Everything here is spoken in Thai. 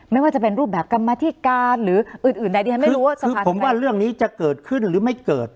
ไม่ว่าจะเป็นรูปแบบกรรมธิการหรืออื่นอื่นใดที่ฉันไม่รู้ว่าสภาผมว่าเรื่องนี้จะเกิดขึ้นหรือไม่เกิด